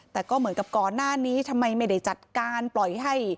แต่ก่อนหน้านี้ได้จัดการปล่อยให้